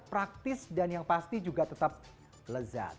praktis dan yang pasti juga tetap lezat